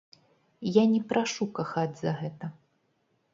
Я не прашу кахаць за гэта.